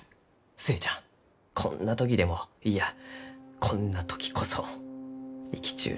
寿恵ちゃんこんな時でもいやこんな時こそ生きちゅう